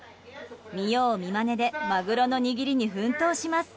見よう見まねでマグロの握りに奮闘します。